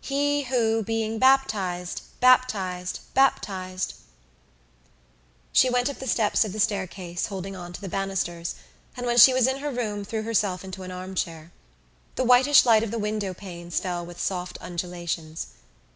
"He who, being baptized baptized baptized " She went up the steps of the staircase holding on to the banisters, and when she was in her room threw herself into an arm chair. The whitish light of the window panes fell with soft undulations.